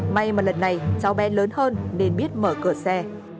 may mà lần này cháu bé lớn hơn nên biết mở cửa xe